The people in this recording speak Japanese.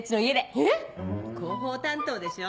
えっ⁉広報担当でしょ？